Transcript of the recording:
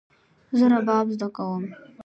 زه رباب زده کوم